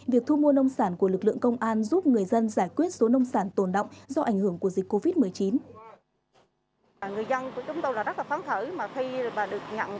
việc thu mua nông sản của lực lượng công an giúp người dân giải quyết số nông sản tồn động do ảnh hưởng của dịch covid một mươi chín